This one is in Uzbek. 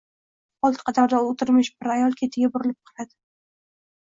Old qatorda o‘tirmish bir ayol ketiga burilib qaradi.